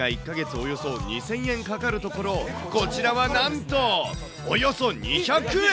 およそ２０００円かかるところ、こちらはなんと、およそ２００円。